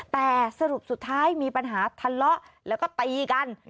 แต่สรุปสุดท้ายมีปัญหาทะเลาะแล้วก็ตีกัน